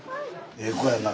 ええ子やな。